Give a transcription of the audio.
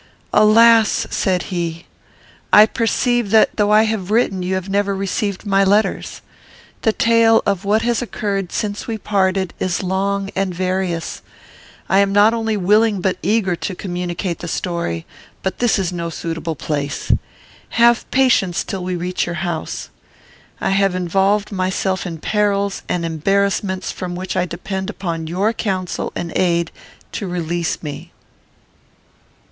"Alas!" said he, "I perceive that, though I have written, you have never received my letters. The tale of what has occurred since we parted is long and various. I am not only willing but eager to communicate the story; but this is no suitable place. Have patience till we reach your house. I have involved myself in perils and embarrassments from which I depend upon your counsel and aid to release me."